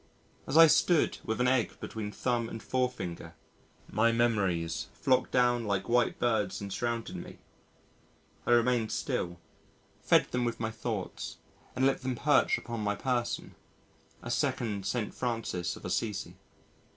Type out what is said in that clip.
As I stood with an egg between thumb and forefinger, my memories flocked down like white birds and surrounded me. I remained still, fed them with my thoughts and let them perch upon my person a second St. Francis of Assisi.